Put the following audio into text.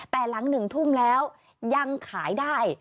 แต่หลัง๑ทุ่มแล้วยังขายได้